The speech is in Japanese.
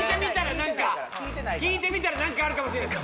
聞いてみたら何かあるかもしれないです